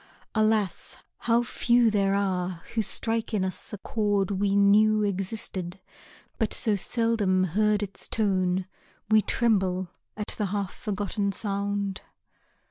Alas, how few There are who strike in us a chord we knew Existed, but so seldom heard its tone We tremble at the half forgotten sound.